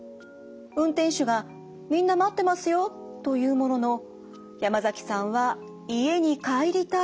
運転手が「みんな待ってますよー」と言うものの山崎さんは家に帰りたいというのです。